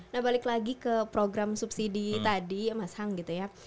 nah balik lagi ke program subsidi tadi mas hang gitu ya